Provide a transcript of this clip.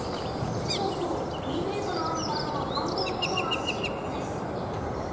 そうそう２ｍある体の半分ほどは尻尾です。